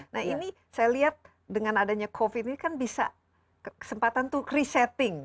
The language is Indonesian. nah ini saya lihat dengan adanya covid ini kan bisa kesempatan untuk resetting